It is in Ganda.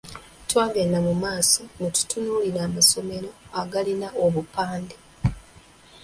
Twagenda mu maaso ne tutunuulira amasomero agalina obupande.